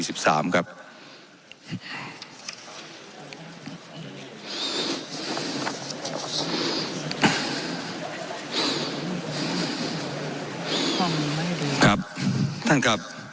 ว่าการกระทรวงบาทไทยนะครับ